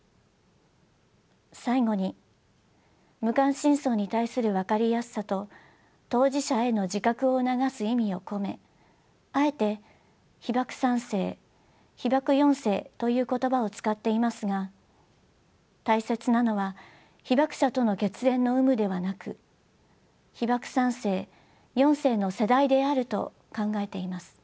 最後に無関心層に対する分かりやすさと当事者への自覚を促す意味を込めあえて被爆三世被爆四世という言葉を使っていますが大切なのは被爆者との血縁の有無ではなく被爆三世・四世の世代であると考えています。